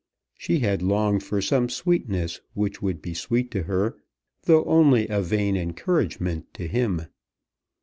She had longed for some sweetness which would be sweet to her though only a vain encouragement to him.